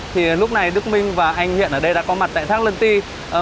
thì lúc này đức minh và anh hiện ở đây đã có mặt tại thác lân ti